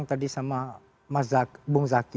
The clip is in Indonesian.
tadi sama mas zaki